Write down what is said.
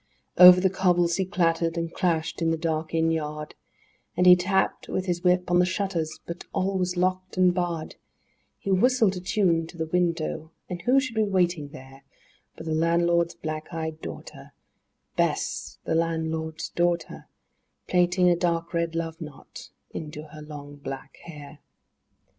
III Over the cobbles he clattered and clashed in the dark inn yard, And he tapped with his whip on the shutters, but all was locked and barred; He whistled a tune to the window, and who should be waiting there But the landlord's black eyed daughter, Bess, the landlord's daughter, Plaiting a dark red love knot into her long black hair.